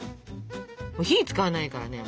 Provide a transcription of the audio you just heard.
火使わないからね。